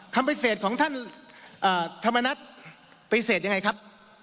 คำไปเศษของท่านอ่าธรรมนัทไปเศษยังไงครับ